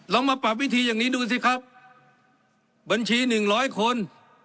ลองมาปรับวิธีอย่างนี้ดูสิครับบัญชีหนึ่งร้อยคน